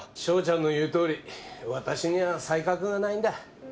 翔ちゃんの言うとおり私には才覚がないんだ。